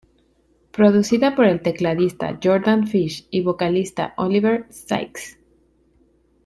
Producida por el tecladista Jordan Fish y vocalista Oliver Sykes.